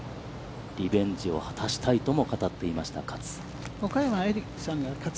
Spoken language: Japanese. リベンジを果たしたいとも語っていました。